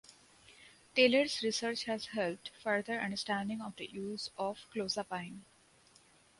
Taylor’s research has helped further understanding of the use of clozapine.